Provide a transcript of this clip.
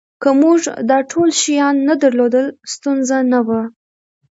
که موږ دا ټول شیان نه درلودل ستونزه نه وه